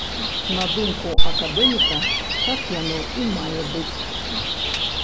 На думку акадэміка, так яно і мае быць.